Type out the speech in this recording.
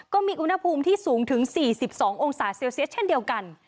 ก็มีอุณหภูมิที่สูงถึง๔๒องศาเซลเซียสเช่นเดียวกัน